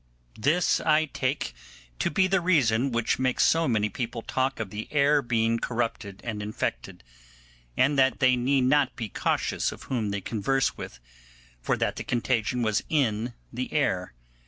This I take to be the reason which makes so many people talk of the air being corrupted and infected, and that they need not be cautious of whom they converse with, for that the contagion was in the air.